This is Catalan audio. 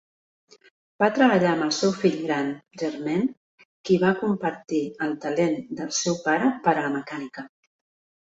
Va treballar amb el seu fill gran, Germain, qui va compartir el talent del seu pare per la mecànica.